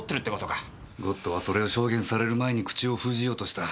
ゴッドはそれを証言される前に口を封じようとした。